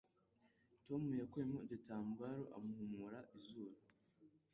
Tom yakuyemo igitambaro amuhumura izuru.